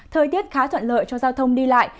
thời tiết khá thuận lợi cho giao thông đi lại